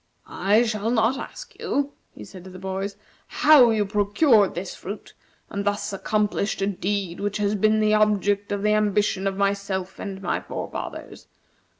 "I shall not ask you," he said to the boys, "how you procured this fruit, and thus accomplished a deed which has been the object of the ambition of myself and my forefathers.